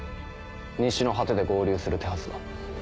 西の果てで合流する手はずだ。